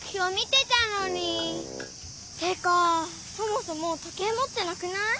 てかそもそも時計もってなくない？